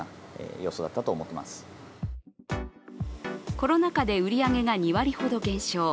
コロナ禍で売り上げが２割ほど減少。